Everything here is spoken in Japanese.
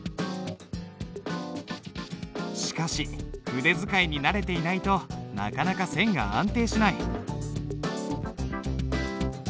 しかし筆使いに慣れていないとなかなか線が安定しない。